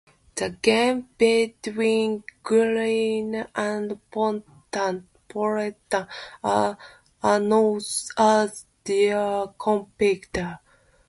The games between Guarani and Ponte Preta are known as Derby Campineiro.